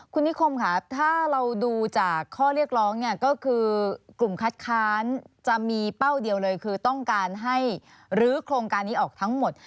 คุณนิคมค่ะถ้าเราดูจากข้อเรียกร้องเนี่ยก็คือกลุ่มคัดค้านจะมีเป้าเดียวเลยคือต้องการให้ลื้อโครงการนี้ออกทั้งหมด